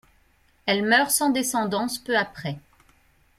Elle meurt sans descendance peu après.